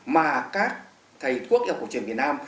mà các thầy quốc trong cuộc truyền việt nam